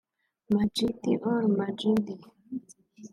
Majid al-Majid